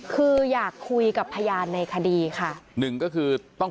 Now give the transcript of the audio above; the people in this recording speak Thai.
คืออยากคุยกับพยาบาลในคดีค่ะ